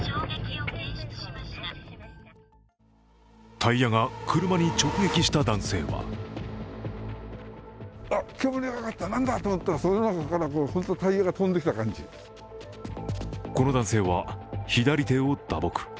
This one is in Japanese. タイヤが車に直撃した男性はこの男性は左手を打撲。